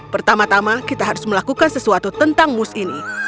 pertama tama kita harus melakukan sesuatu tentang moos ini